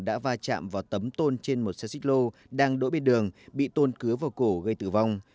đã va chạm vào tấm tôn trên một xe xích lô đang đỗ bên đường bị tôn cứa vào cổ gây tử vong